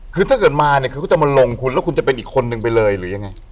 คือถ้าเกิดมาเนี่ยคือเขาจะมาลงคุณแล้วคุณจะเป็นอีกคนนึงไปเลยหรือยังไง